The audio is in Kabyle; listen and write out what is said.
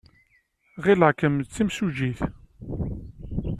Ɣileɣ-kem d timsujjit.